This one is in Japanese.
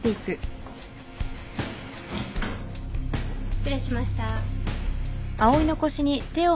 失礼しました。